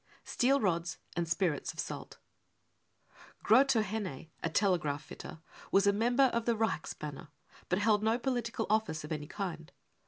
Steel Rods and Spirits of Salt. Grotohenne, a tele graph fitter, was a member of the Reichsbanner, but held f MURDER no political office of any kind.